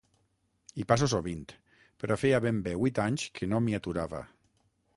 Hi passo sovint, però feia ben bé vuit anys que no m'hi aturava.